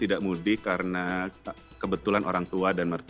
tidak mudik karena kebetulan orang tua dan mertu